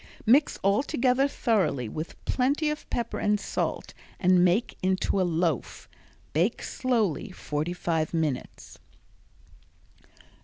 Mix all together thoroughly with plenty of pepper and salt and make into a loaf. Bake slowly forty five minutes.